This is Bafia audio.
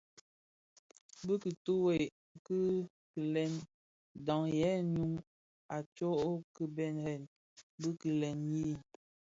Ki bitughe kè kikilèn ndhaň yè ňu a tsok kibèrèn ki gilèn yin,